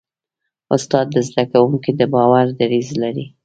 استاد د زده کوونکي د باور دریځ لري.